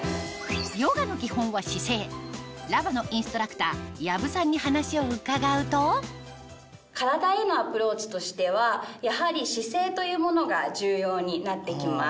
ヨガの基本は姿勢に話を伺うと体へのアプローチとしてはやはり姿勢というものが重要になって来ます。